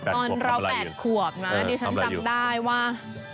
ตอนเรา๘ขวบนะดิฉันจำได้ว่า